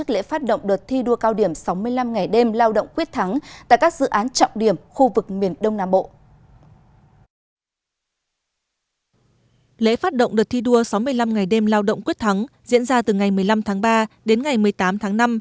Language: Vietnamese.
lễ phát động đợt thi đua sáu mươi năm ngày đêm lao động quyết thắng diễn ra từ ngày một mươi năm tháng ba đến ngày một mươi tám tháng năm